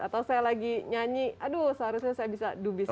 atau saya lagi nyanyi aduh seharusnya saya bisa do busines